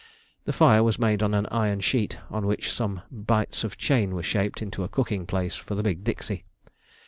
The fire was made on an iron sheet, on which some bights of chain were shaped into a cooking place for the big dixie.